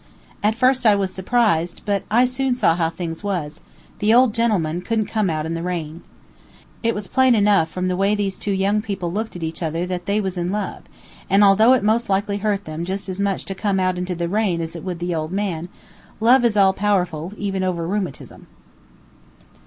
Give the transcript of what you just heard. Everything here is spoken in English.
At first I was surprised, but I soon saw how things was: the old gentleman couldn't come out in the rain. It was plain enough from the way these two young people looked at each other that they was in love, and although it most likely hurt them just as much to come out into the rain as it would the old man, love is all powerful, even over rheumatism.